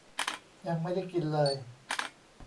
ยังไม่ได้กินเลย